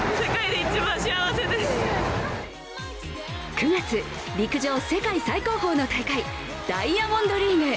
９月、陸上・世界最高峰の大会、ダイヤモンドリーグ。